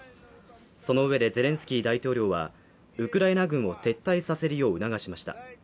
その上でゼレンスキー大統領は、ウクライナ軍を撤退させるよう促しました。